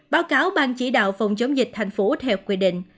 báo cáo bang chỉ đạo phòng chống dịch thành phố theo quy định